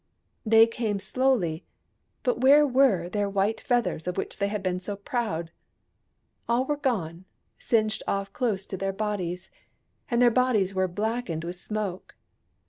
They came slowly — but where were their white feathers, of which they had been so proud ? All were gone, singed off close to their bodies ; and their bodies were blackened with smoke.